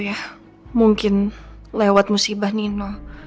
ya mungkin lewat musibah nino